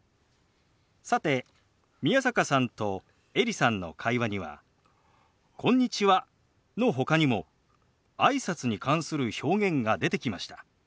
さて宮坂さんとエリさんの会話には「こんにちは」のほかにもあいさつに関する表現が出てきました。